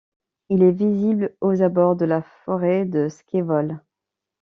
Il est visible aux abords de la forêt de Scévole.